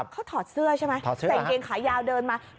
เขาถอดเสื้อใช่ไหมใส่กางเกงขายาวเดินมา